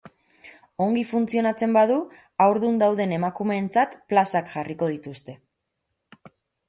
Ongi funtzionatzen badu, haurdun dauden emakumeentzat plazak jarriko dituzte.